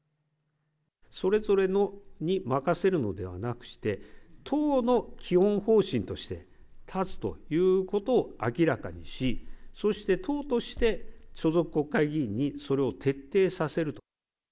それぞれに任せるのではなくして、党の基本方針として、絶つということを明らかにし、そして党として、所属国会議員にそれを徹底させると。